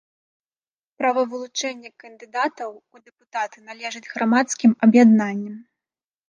Права вылучэння кандыдатаў у дэпутаты належыць грамадскім аб’яднанням.